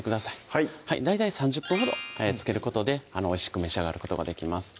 はい大体３０分ほど漬けることでおいしく召し上がることができます